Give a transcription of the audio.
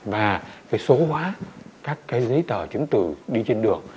và cái số hóa các cái giấy tờ chứng tử đi trên đường